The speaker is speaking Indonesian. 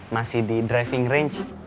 masih di driving range